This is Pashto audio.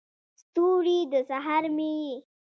ستوری، د سحر مې یې